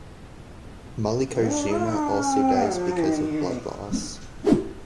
Mallikarjuna also dies because of blood loss.